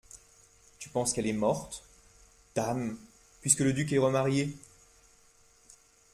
Tu penses qu'elle est morte ? Dame ! puisque le duc est remarié.